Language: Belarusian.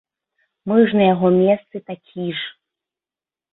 Мы ж на яго месцы такі ж!